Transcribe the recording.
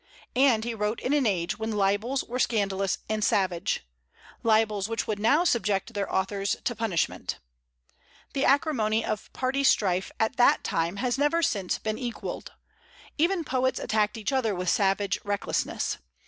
And he wrote in an age when libels were scandalous and savage, libels which would now subject their authors to punishment. The acrimony of party strife at that time has never since been equalled. Even poets attacked each other with savage recklessness.